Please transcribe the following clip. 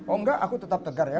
oh enggak aku tetap tegar ya